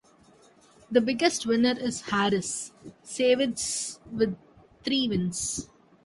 The biggest winner is Harris Savides with three wins.